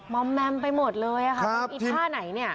อมแมมไปหมดเลยค่ะอีท่าไหนเนี่ย